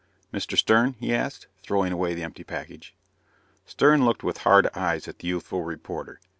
"Mr. Stern?" he asked, throwing away the empty package. Stern looked with hard eyes at the youthful reporter.